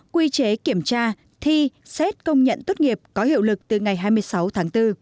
quy chế kiểm tra thi xét công nhận tốt nghiệp có hiệu lực từ ngày hai mươi sáu tháng bốn